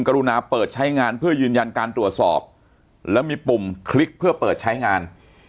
รุณาเปิดใช้งานเพื่อยืนยันการตรวจสอบแล้วมีปุ่มคลิกเพื่อเปิดใช้งาน